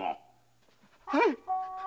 はい。